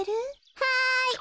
はい。